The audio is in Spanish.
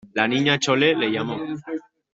la Niña Chole le llamó: